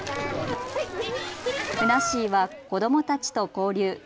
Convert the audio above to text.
ふなっしーは子どもたちと交流。